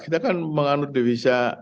kita kan mengandung devisa